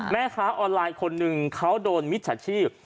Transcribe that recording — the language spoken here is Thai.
แม่ค้าออนไลน์คนหนึ่งเขาโดนมิจฉาชีพ